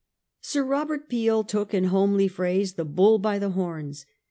' Sir Robert Peel took, in homely phrase, the bull by the horns.